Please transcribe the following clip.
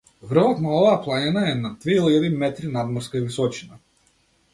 Врвот на оваа планина е на две илјади метри надморска височина.